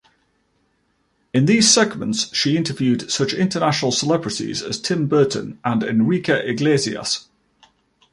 In these segments she interviewed such international celebrities as Tim Burton and Enrique Iglesias.